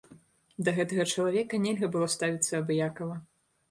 Да гэтага чалавека нельга было ставіцца абыякава.